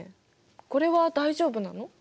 これは大丈夫なの？